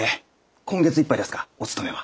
今月いっぱいですかお勤めは。